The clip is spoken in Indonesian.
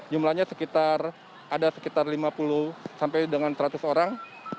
jumlahnya sekitar ada sekitar lima puluh sampai dengan seratus orang